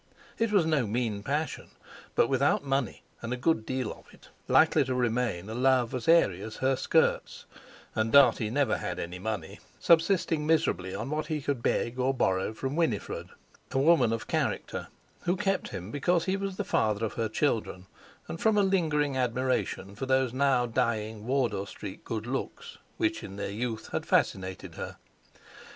It was no mean passion, but without money, and a good deal of it, likely to remain a love as airy as her skirts; and Dartie never had any money, subsisting miserably on what he could beg or borrow from Winifred—a woman of character, who kept him because he was the father of her children, and from a lingering admiration for those now dying Wardour Street good looks which in their youth had fascinated her.